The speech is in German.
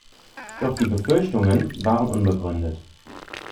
Doch die Befürchtungen waren unbegründet.